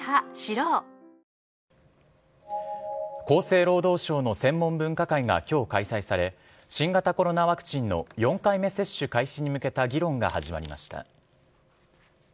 厚生労働省の専門分科会が今日開催され新型コロナワクチンの４回目接種開始に向けた議論が始まりました。